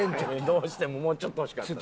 どうしてももうちょっと欲しかった。